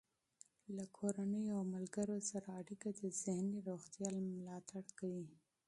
له کورنۍ او ملګرو سره اړیکه د ذهني روغتیا ملاتړ کوي.